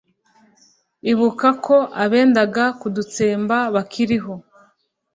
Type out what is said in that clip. ibuka ko abendaga kudutsemba bakiriho